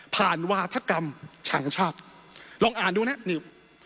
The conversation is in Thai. วาธกรรมฉังชาติลองอ่านดูนะนี่